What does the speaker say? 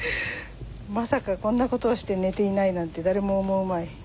まさかこんなことをして寝ていないなんて誰も思うまい。